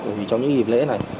vì trong những dịp lễ này